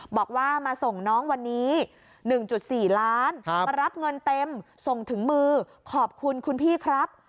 บอกว่ามาส่งน้องวันนี้๑๔ล้านมารับเงินเต็มส่งถึงมือขอบคุณคุณพี่ครับ